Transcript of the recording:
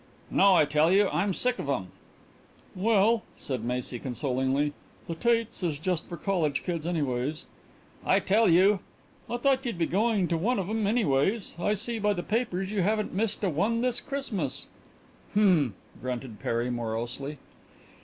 "No, I tell you; I'm sick of 'em." "Well," said Macy consolingly, "the Tates' is just for college kids anyways." "I tell you " "I thought you'd be going to one of 'em anyways. I see by the papers you haven't missed a one this Christmas." "Hm," grunted Perry morosely.